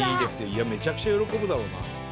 いやめちゃくちゃ喜ぶだろうな。